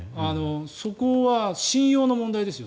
そこは信用の問題ですね